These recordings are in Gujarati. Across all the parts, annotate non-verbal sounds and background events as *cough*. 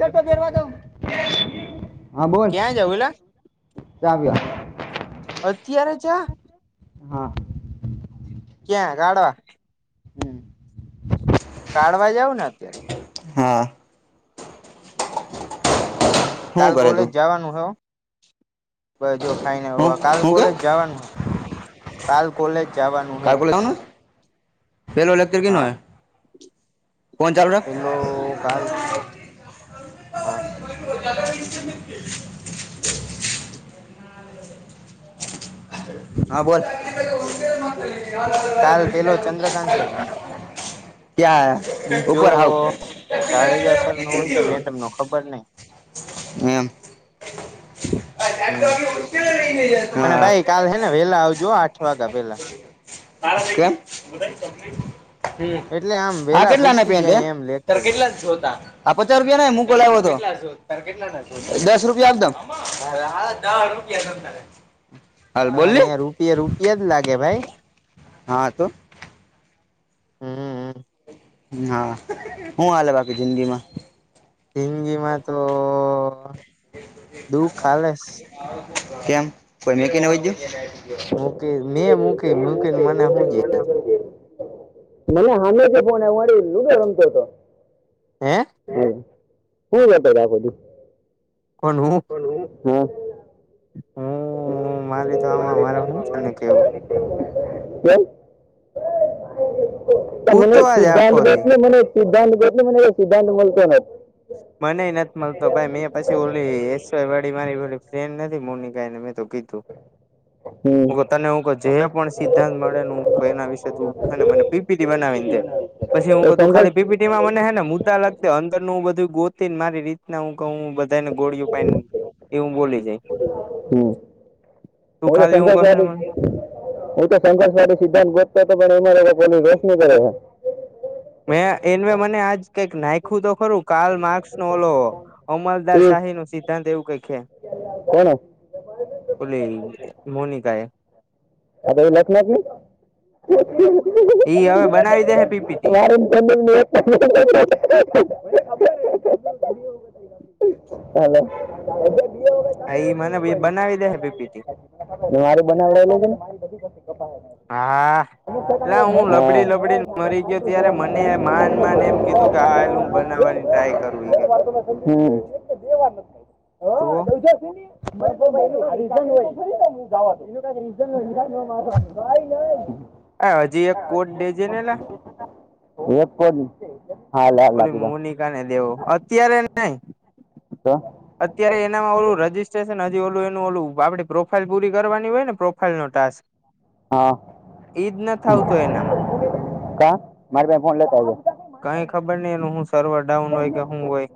હા બોલ્યા. ક્યાં જવું એલા ચ આવ્યા. અત્ય્યારે હજાર? હા હા. ક્યાં ગાડવા? કાઢવા જવું ને અત્યારે? હા. હમ કાલ શું કરે કોલેજ તું જવાનું હ? બ જો ખાઈને હું કાલ શું કે કોલેજ જવાનું હે, કાલ કોલેજ જવાનું હે. કાલકુલેટ આવનું પેલો લખત ક ન હોય? એલું કાલ હા. હ *unintelligible* હા બોલ. કાલ પેલો ચંદ્રકાંત સર નો ક્યા હૈ? બીજો ઉપર હઉ. જાડેજા સર નો હોય કે મેડમ ખબર નઈ. એમ. હમ, અને હા ભાઈ કાલ હેને વેલા આવજુ આઠ વાગ્યા પેલા. બ *unintelligible* હમ એટલે આમ હા વેલા કેટલા ના ભૂકી પેન્ટ? જાય એમ ત લેક્ચરમાં કેટલા જ જોતા? આા પચાર ગયા ને હું બોલા્યો હતો. ત કેટલા થ દસ રૂપિયા એકદમ દ રૂપિયા ત *unintelligible* તમારે અહિયાં રૂપિ રૂપિયા જ લાગે ભાઈ. હા તો હમ. હા, શું હાલે બાકી જિંદગી માં? હિન્ંગીમાં તો દુઃખ હાલેસ કેમ કોઈ મે કને વું? હુંકે મે મૂકીને મૂકીને મને હું જે તે મને હામે થી ફોન આયવો ને લુંડો રમતો તો. હે હમમ હું લેટર આ બધું કોનું? પણ હું હું હું હું મારી તો આમાં મારે હું તને કેવું? કેમ? હું તમે તો મેં આજ આખો સિદધાંત દેત દી ને મને સિદધાંત દેત ને મને સિદ્ધાંત બલતો નથી. મને નથી મળતો ભાઈ મેં પછી ઓલી એસવાય મારી ઓલી ફ્રેન્ડ નથી મોનીકા એને મેં તો કીધું. તો હમ હું તને હું જે પણ સિદ્ધાંત મળે ને હું એના વિશેે તું હેને મને પીપીટી બનાવીને દે. પછી હું તો બધું સંઘર્ષ ખાલી પીપીટીમાં મને હે ને મુદ્દા લખતી અંદર નું મેં બધું ગોતીને મારી રીત ના હું કવ બધાને ગોળિુયુ પાયને એ હું બોલી દય. હમમ ઓલા ખાલી હું પંજા કહે ને શાળી મને એ તો સંઘર્ષવાદી સિદ્ધાંત બોતો હતો પણ એમાં લોકોની રોશની કરે છે. મેં એમને મને આજ તક નાયખું તો ખરું કાલ માકર્સ ને ઓલો અમલદાર શાહી નું સિદ્ધાંત એવું કંઈક હે. કોણ? ઓલી મોનીકા એ ઈ હવે બનાવી દે હે *unintelligible* પીપીટી મારેં તમિલ ને *unintelligible* *unintelligible* હલો હા ઈ મને બનાવી દે હે પીપીટી મારુ બનાવડાવી લેજે ને. હા. અલા હું હા લબડી લબડી મરી ગયો ત્યારે મને માન માન એમ કીધું કે આ હું બનાવાની. હમમ. તો *unintelligible* *unintelligible* હા હજી એક કોટ દેજે ને અલા. એક જ ઓલી મોનિકા ને દેવો અત્યારે નઈ. તો? અત્યારે એનામાં ઓલું રજીસ્ટ્રેશન હજી ઓલું એનું ઓલું આપડી પ્રોફાઈલ પૂરી કરવાની હોય ને પ્રોફાઈલ નો ટાસ્ક હા ઈજ ન થાવતો એનામાં તો મારી વાત સંભાળ કાઈ ખબર નઈ એનું હું સર્વર ડાઉન હોય કે હું હોય.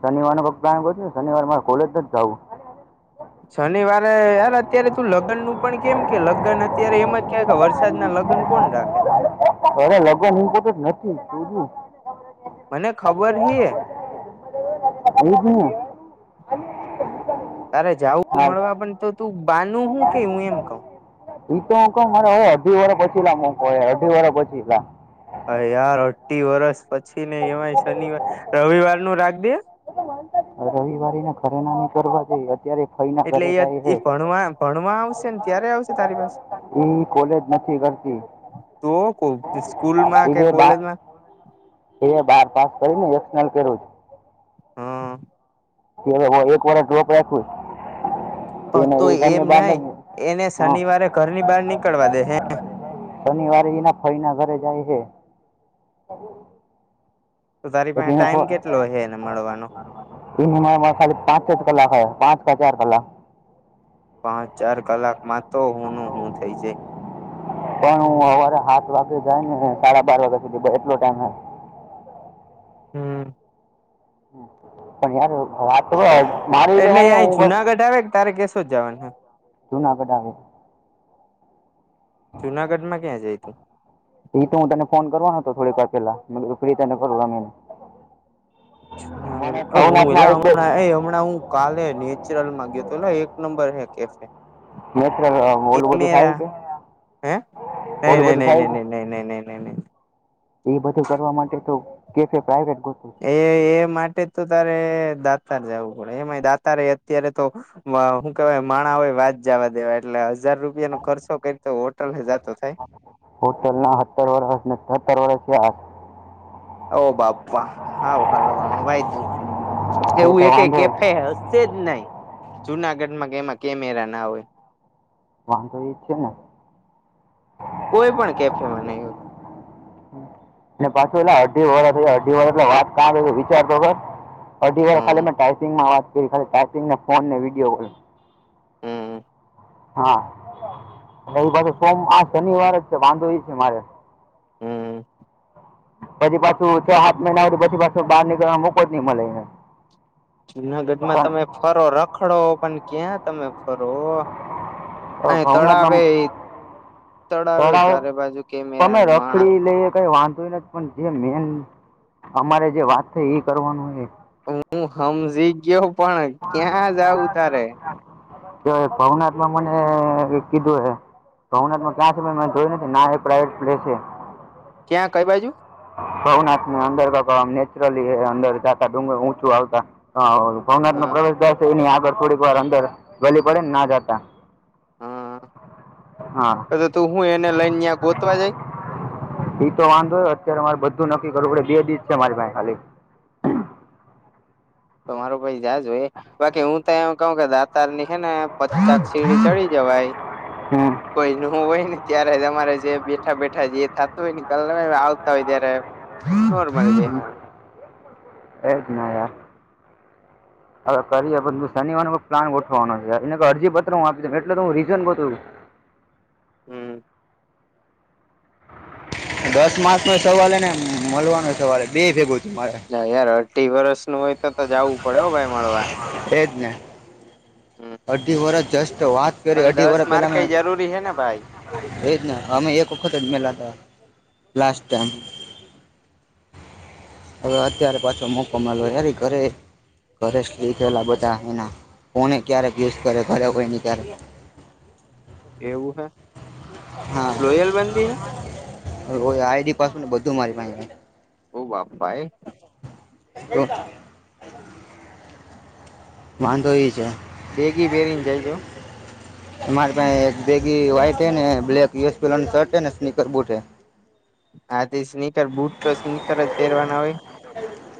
શનિવારો વખત છું ને શનિવાર માં કોલેજ નથ જાવું. શનિવારે યાર અત્યારે તું લગ્ન નું પણ કેમ કે લગ્ન અત્યારે એમ જ કેવાય કે વરસાદના લગ્ન કોણ રાખે? અરે લગ્ન ઇમ્પોટ જ નથી. મને ખબર હે *unintelligible* તારે જાવું તું હાલ મળવા પણ તો તું બાનું હું કે હું એમ કઉ. એઈ તો અ મારે અઢી વાર પછી *unintelligible* અઢી વાર પછી હા યાર અઢી વરસ પછી ને એમાં શનિવાર રવિવાર નું રાખ ને. રવિવારી ને ખરે ના કરવા દઈ અત્યારે ફઈના એટલે ઘરે એ જાય છે એ ભણવા ભણવા આવશે ને ત્યારે આવશે તારી પાસે? એ કોલેજમાં તો કો સ્કૂલમાં કે એ બાર કોલેજમાં એ બાર પાસ કરીને એક્નલ કર્યું છે. હા. એક વાર ડોપ રાખ, હ તો એ ઘરની બાર હ ઘર ની બહાર નીકળવા દે હૈ. શનિવારે એના ફઈ ના ઘરે જાય છે. *unintelligible* તો તારી એટલે પાસે એનો ટાઈમ કેટલો હ એને મળવાનો? ત ખાલી પાંચ કલાક હો પાંચ કા ચાર કલાક. પાંચ ચાર કલાક માં તો હું નુ હું થઇ જાય. પણ હું સવારે સાત વાગે જાય ને સાડા બાર વાગ્યા સુધી એટલો ટાઈમ. હમ. પણ યાર વાત માર તો મને હું *unintelligible* જવાનુ. જુનાગઢ આવે. જુનાગઢ માં ક્યાં જાય? એ તો હું તને ફોન કરવાનો હતો થોડીક વાર પેલા ફ્રી તને કરું રમીને. એટલે મને ભવનાથમાં એક બે હમણાં એ હમણાં હું કાલે નેચરલ માં ગયો તો અલા એક નંબર હે કેફે. ને ઓલું ઓલું મેરા થાય કે? હે? નઈ બધું નઈ નઈ નઈ નઈ. એ બધું કરવા માટે તો કેફે પ્રાઈવેટ ગોતું. એ એ માટે તો તારે દાતાર જવું પડે એમાં દાતાર એ અત્યારે તો. હું કેવાય માણા હોય વાત જવા દેવા એટલે હજાર રૂપિયાનો ખર્ચો કરી તો હોટલ હે જાતો થાય. હોટલ ના સત્તર વર્ષ ને સતર વર્ષ. ઓ બાપ્પા હા હલવાણો ભાઈ તું, એવું તો એ કઈ વાંધો કેફે હે? છેજ નહી, જુનાગઢમાં કેમાં કેમેરા ના હોય. વાંધો ઈ જ છે ને? કોઈ પણ કેફેમાં નહી હોય. ને પાછું ઓલા અઢી વરષ અઢી વરષ એટલે વાત વિચારતો કર. અઢી વાર ખાલી હમ મેં ટાઈપિંગમાં વાત કરી ખાલી ટાઇપિંગને ફોન ને વિડીયો કોલ. હમ્મ. હા, રયવરે સોમ આ શનિવાર જ છે વાંધો એ છે મારે. હમ્મ. પછી પાછુ છ સાત મહિના પછી પાછું બહાર નીકળવા મોકો જ નહી મલે. જુનાગઢમાં તમે ફરો રખડો પણ ક્યાં તમે ફરો? અને તળાવે તળાવે તડાવ, ચારે બાજુ કેમેરા તમે માણા રખડી લઈ કઈ વાંધો નથી. પણ જે મેન અમારે જે વાત થઈ એ કરવાનું એ. હું હમજી ગયો પણ ક્યાં જાઉં તારે? તો ભવનાથ માં મને કીધું એ. ભવનાથમાં ક્યાં છે મે જોય નથી ના એ પ્રાઇવેટ પ્લેસ છે. ક્યાં કઈ બાજુ? ભવનાથ ની અંદર *unintelligible* નેચરલી અંદર જતા ડુંગર ઊંચું આવતા *unintelligible* ભવનાથ નો હા પ્રવેશ દ્વાર છે એની આગળ થોડીક વાર અંદર ગલી પડીને ના જતા. હા એટલે તું હું એને લઈને ત્યાં ગોતવા જઇ? ઈ તો વાંધો નહીં, અત્યારે મારે બધું નક્કી કરવું પડે બે દિ જ છે મારી પાહે ખાલી. તમારું પહિ જાજોઈ, બાકી હું તો એમ કવ કે દાદ તાર ની હે ને પચાક સીડી ચડી જવાય. હમ કોઈ નો હોય ને ત્યારે જ અમારે જે બેઠા બેઠા જે થાતું હોય ને ઇ કર લેવાય, આવતા હોય ત્યારે નોર્મલ બેહાણ *inaudible* એ જ ને યાર હવે કરીએ પણ તું શનિવાર નો કંઇક પ્લાન ગોઠવાનો છે એને તો અરજી પત્ર હું આપી દઉ એટલે તો હું રીઝન ગોતું હું. હમ દસ માર્ક્સનો સવાલ હે ને મલવાનો સવાલ હે બે ય ભેગુ છે. ના યાર અઢી વરસ નું હોય તો તો જાવું પડે હો ભાઈ મળવા. એ જ ને. હમ્મ. અઢી વરસ જસ્ટ વાત કરી, અઢી વરહ પેલા માર્ક મે કઈ જરૂરી હે ને ભાઈ એ જ ને, અમે એક વખત જ મલ્યા તા, લાસ્ટ ટાઈમ. હવે અત્યારે પાછો મોકો મલ્યો, યાર ઇ ઘરે ઘરે *unintelligible* બધા હુમા, કોને ક્યારેક યુઝ કરે ઘરે કોઈ ને ક્યારેક. એવું હે? હા લોયલ બંદી હે *unintelligible* આઈડી પાસવર્ડ ને બધું મારી પાહે છે. ઓ બાપ ભાઈ. *inaudible* વાંધો ઈ છે. બેગી પેરીને જજો. માર પાહે એક બેગી વ્હાઈટ હે ને બ્લેક *unintelligible* પહેરવાન શર્ટ હે ને સ્નીકર બુટ હે. હા તે સ્નીકર બુટ તો સ્નીકર જ પહેરવાના હોય.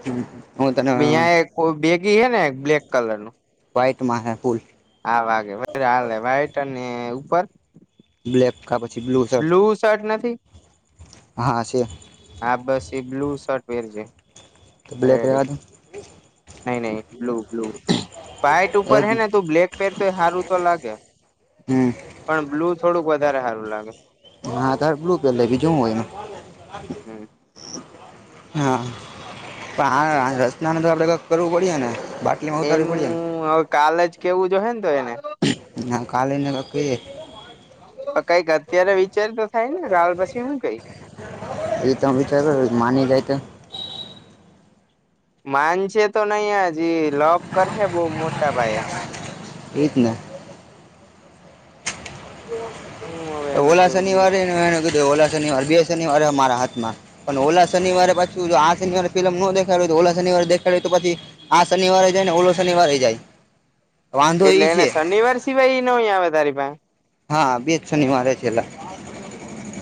હમ હમ મેં આ એક કોઈ બેગી હે એક બ્લેક કલર નું. વ્હાઈટ માં હે ફૂલ. હા વાગે *unintelligible* હાલે વાાઈટ અને ઉપર? બ્લેક કા પછી બ્લુ શર્ટ, શર્ટ નથી હા હા છે. હા બસ એ બ્લુ શર્ટ પેરજે. બ્લેક રહેવા દઉં? નહી નહી બ્લુ બ્લુ. વાઇટ એ ઉપર જ હે ને તું બ્લેક પેર તો ય હારુ તો લાગે. હમ પણ બ્લુ થોડુંક વધારે હારુ લાગે. હા તાર બ્લુ પહેર લે, બીજું હું એમાં? હમ હા પણ હા હા રચના ને તો આપડે કક કરવું પડીએે ને, બા એનું હવ કાલે જ કેવું જોહે ને તો એને. મહાકાલીને તો કહીએ. પણ કઈક અત્યારે વિચારી તો થાય ને કાલ પછી હું કહી? એ તો હું વિચાર કરું, માની લે તો? *inaudible* માન શે તો નહીં હજી લફ કરશે બહુ મોટા પાયે. એ જ ને. હું હવે એને ઓલા કેવું શનિવારે એને કીધું ઓલા શનિવાર બે શનિવારે મારા હાથમાં. પણ ઓલા શનિવારે પછી આ શનિવારે ફિલ્મ ન દેખાડી તો ઓલા શનિવારે દેખાડી તો પછી આ શનિવારે જાય ને ઓલો શનિવારે જાય. વાંધો એટલે ઈ એને છે શનિવાર સિવાય એ ન આવે તારી પાહે? હા બે જ શનિવારે મારે છે છેલ્લા.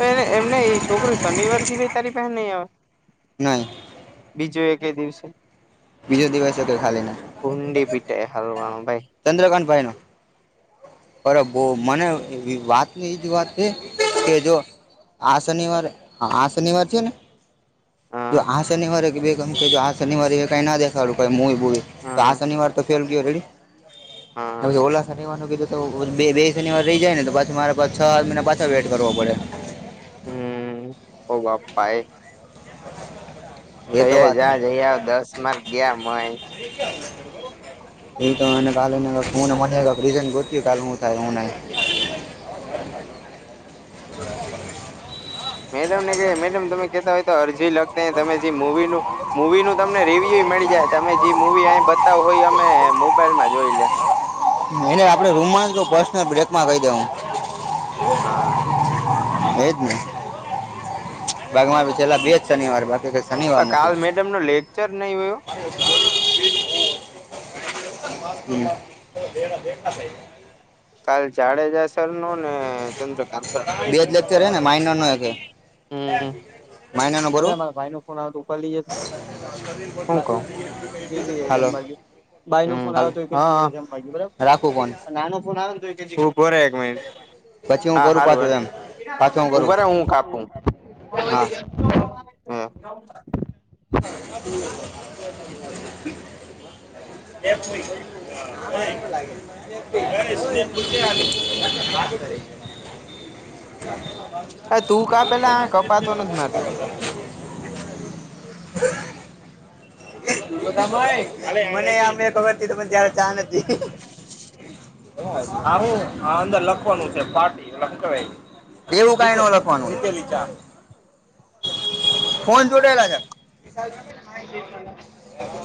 એટલે એમ નહીં ઈ છોકરી શનિવાર સિવાય તારી પાહે નહીં આવે? નહી. બીજું એક દિવસે, બીજો દિવસ કે ખાલી ના કુંડી પીટે હારવાનું ભાઈ. ચંદ્રકાંત ભાઈ નો. મને વાત એજ વાત છે કે જો આ શનિવારે આ શનિવાર છે ને. જો હા આ શનિવારે કીધું આ શનિવારે એ કઈ ના દેખાડું કઈ મૂવી બૂવી, તો આ હા શનિવાર તો ફેલ ગયો હેડી. હા હવ તો ઓલા શનિવાર કીધું તો બે બે શનિવાર રહી જાય ને તો પાછી મારે પાછ આઠ મહિના પાછા વેટ કરવો પડે. હમ, ઓ બાપા. એ તો જોઈ આવ વાત જા જઈ આવ દસ માર્ક ગયા માય. *inaudible* એ તો કાલેને મને. *unintelligible* મેડમ ને કઈ એ મેડમ તમે કતા હોય તો અરજી લખતા તમે જે મૂવી નું મૂવી નું તમને રિવ્યુ મળી જાય તમે જે મૂવી અહી બતાવ હોય અમે મોબાઈલમાં જોઈ લે. એટલે આપડે રોમાંચ પર્સનલ બ્રેકમાં કહી દેવાનો. હા. એજ ને, બાક મારે છેેલા બેજ શનિવાર બાકી ક પણ કાલ મેડમ નો લેક્ચર નહી હોય હો? *unintelligible* કાલ ચારે જસ ન ને ચંદ્રકાંત બે જ લેક્ચર હે ને માઇનર નો એક હે હમ. માઇનર નો હ ભરું મારા ભાઈ ન ફોન આવ ઉપાલી જ. આા પએ *unintelligible* ક લઈ જમ બા બાાઈ ન ફોન હાલ આવે તો જમ બરાબર. રાખું ફોન નાનું ફણ આવેય કેરે. પછી હું હા, કરું પાછું સારું એમ પાછું હર કરું બર હું કાપું. હા *unintelligible* *inaudible* એય લાગે *unintelligible* *unintelligible* અ તું કા પેલા કપાતો નથી મારતી. *inaudible* ભાઈ મનેમને ખબર હતી તને ત્યારે ચા હતી. આું આ અંદર લખવાનું છે પાર્ટી એટ કેવાય. એવું કઈ ન લખવાનું. ફોન જોડાયેલા છે.